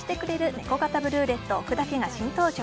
「ネコ型ブルーレットおくだけ」が新登場！